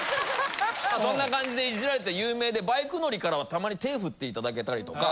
まあそんな感じでイジられて有名でバイク乗りからはたまに手ぇ振って頂けたりとか。